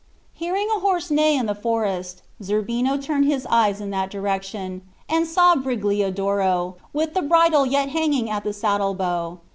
Hearing a horse neigh in the forest, Zerbino turned his eyes in that direction, and saw Brigliadoro, with the bridle yet hanging at the saddle bow.